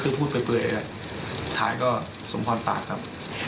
ถูกภูมิเลยก็สมพรตาก่อน